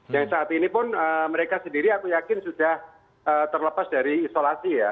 yang saat ini pun mereka sendiri aku yakin sudah terlepas dari isolasi ya